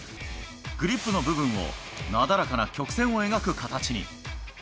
グリップの部分を、なだらかな曲線を描く形に。